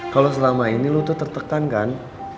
kalo selama ini lo tuh tertekan kan